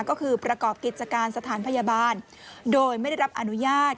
ก็คือประกอบกิจการสถานพยาบาลโดยไม่ได้รับอนุญาต